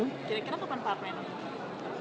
jadi kira kira keempat empat